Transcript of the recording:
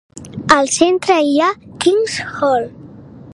Al centre hi ha King's Hall.